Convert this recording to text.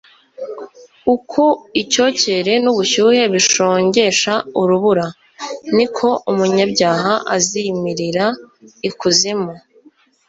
uko icyokere n'ubushyuhe bishongesha urubura, ni ko umunyabyaha azimirira ikuzimu